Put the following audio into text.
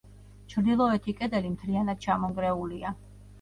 ჩრდილოეთი კედელი მთლიანად ჩამონგრეულია.